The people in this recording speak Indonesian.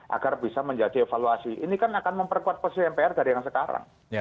agar bisa menjadi evaluasi ini kan akan memperkuat posisi mpr dari yang sekarang